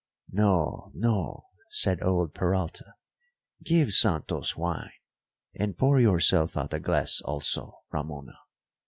"No, no," said old Peralta, "give Santos wine, and pour yourself out a glass also, Ramona.